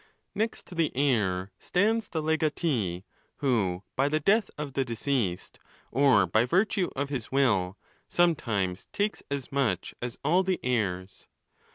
Next to the heir, stands the legatee, who by the death of the deceased, or by virtue of his will, sometimes takes as much as all the heirs.